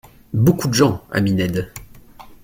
—Beaucoup de gens, ami Ned.